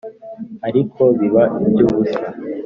ariko biba iby'ubusa.